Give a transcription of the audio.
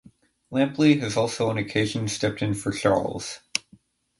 Lampley has also on occasion stepped in for Charles.